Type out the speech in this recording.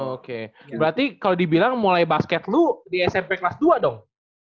oke berarti kalau dibilang mulai basket lu di smp kelas dua dong